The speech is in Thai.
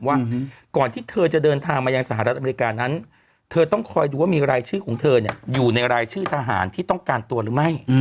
ว่าก่อนที่เธอจะเดินทางมายังสหรัฐอเมริกานั้นเธอต้องคอยดูว่ามีรายชื่อของเธออยู่ในรายชื่อทหารที่ต้องการตัวหรือไม่